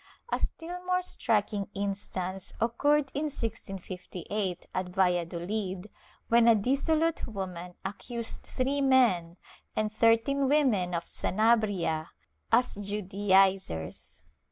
^ A still more striking instance occurred in 1658, at Valladolid, when a dissolute woman accused three men and thirteen women of Sanabria as Judaizers.